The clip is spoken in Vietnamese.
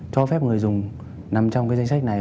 cho phép người dùng nằm trong cái danh sách này